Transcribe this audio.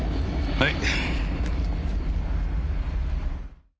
はい。